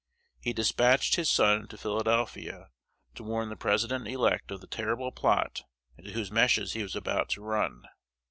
He despatched his son to Philadelphia to warn the President elect of the terrible plot into whose meshes he was about to run.